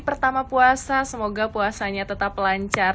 pertama puasa semoga puasanya tetap lancar